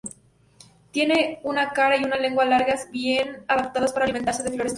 Tienen una cara y una lengua largas bien adaptadas para alimentarse de flores tubulares.